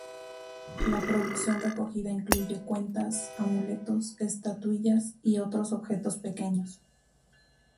La producción recogida incluye cuentas, amuletos, estatuillas y otros objetos pequeños.